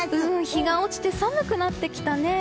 日が落ちて寒くなってきたね。